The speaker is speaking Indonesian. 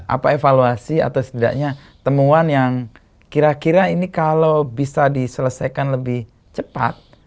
apa evaluasi atau setidaknya temuan yang kira kira ini kalau bisa diselesaikan lebih cepat